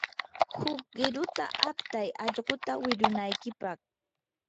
huk qiruta aptay allquta wirunaykipaq.